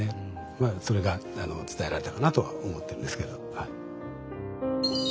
まあそれが伝えられたかなとは思ってるんですけどはい。